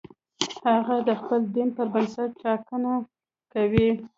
هغه د خپل دین پر بنسټ ټاکنه کوي.